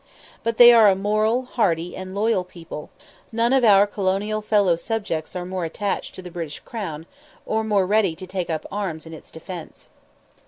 But they are a moral, hardy, and loyal people; none of our colonial fellow subjects are more attached to the British crown, or more ready to take up arms in its defence.